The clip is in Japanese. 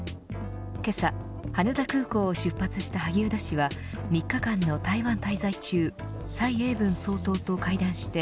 けさ羽田空港を出発した萩生田氏は３日間の台湾滞在中蔡英文総統と会談して